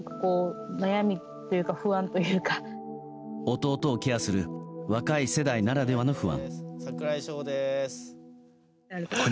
弟をケアする若い世代ならではの不安。